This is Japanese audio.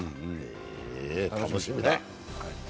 楽しみだ。